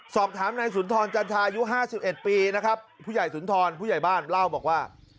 สอบถามนายสุนทรจันทาอายุ๕๑ปีนะครับผู้ใหญ่สุนทรผู้ใหญ่บ้านเล่าบอกว่า